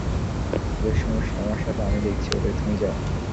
ওদের সমস্যা আমার সাথে আমি দেখছি ওদের, তুমি যাও।